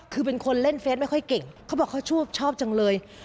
คือเป็นคนเล่นเฟสไม่ค่อยเก่งเขาบอกเขาชอบจังเลย